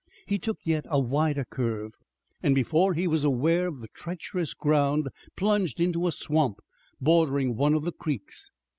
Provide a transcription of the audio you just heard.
He took yet a wider curve and before he was aware of the treacherous ground plunged into a swamp bordering one of the creeks.